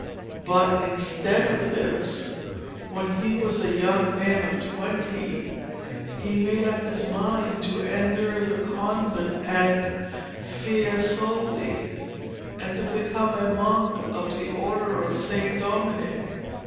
But instead of this, when he was a young man of twenty he made up his mind to enter the convent at Fiesole, and to become a monk of the Order of Saint Dominic.